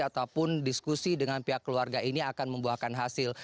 ataupun diskusi dengan pihak keluarga ini akan membuahkan hasil